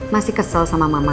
masih kesel sama mama